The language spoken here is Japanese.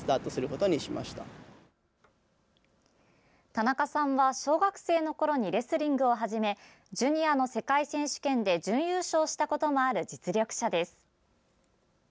田中さんは小学生のころにレスリングを始めジュニアの世界選手権で準優勝したこともある実力者です。